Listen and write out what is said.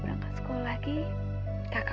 terima kasih ya bang